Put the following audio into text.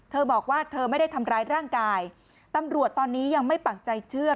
บอกว่าเธอไม่ได้ทำร้ายร่างกายตำรวจตอนนี้ยังไม่ปักใจเชื่อ